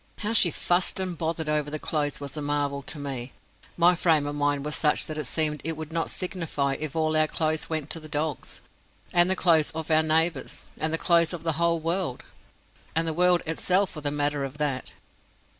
How she fussed and bothered over the clothes was a marvel to me. My frame of mind was such that it seemed it would not signify if all our clothes went to the dogs, and the clothes of our neighbours, and the clothes of the whole world, and the world itself for the matter of that.